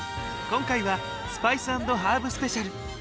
今回はスパイス＆ハーブスペシャル。